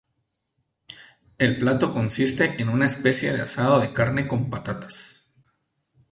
El plato consiste en una especie de asado de carne con patatas.